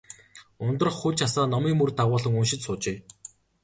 Ундрах хүж асаан, номын мөр дагуулан уншиж суужээ.